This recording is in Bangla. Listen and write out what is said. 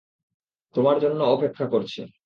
তোমার জন্য অপেক্ষা করছে।